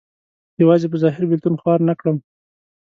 یوازې په ظاهر بېلتون خوار نه کړم.